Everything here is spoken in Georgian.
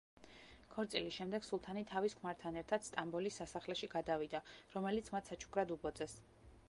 ქორწილის შემდეგ სულთანი თავის ქმართან ერთად სტამბოლის სასახლეში გადავიდა, რომელიც მათ საჩუქრად უბოძეს.